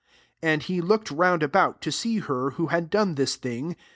" 32 And he looked round about, tp see her who had done this thing.